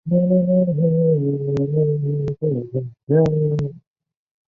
海南罗汉松为罗汉松科罗汉松属的植物。